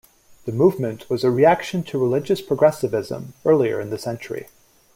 The movement was a reaction to religious progressivism earlier in the century.